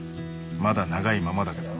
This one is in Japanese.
まだ長いままだけど。